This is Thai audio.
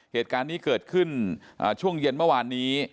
เหตุการณ์นี้เกิดขึ้นช่วงเย็นเมื่อวานนี้